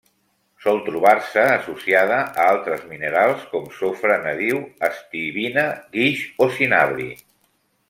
Sol trobar-se associada a altres minerals com: sofre nadiu, estibina, guix o cinabri.